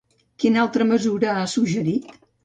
Quina altra mesura ha suggerit?